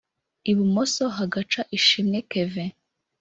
ibumoso hagaca Ishimwe Kevin